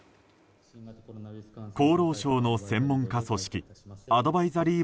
厚労省の専門家組織アドバイザリー